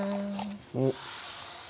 おっ！